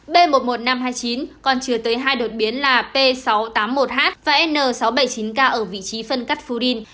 b một mươi một nghìn năm trăm hai mươi chín còn chứa tới hai đột biến là p sáu trăm tám mươi một h và n sáu trăm bảy mươi chín k ở vị trí phân cắt phun